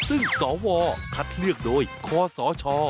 ซึ่งสวคัดเลือกโดยคอสช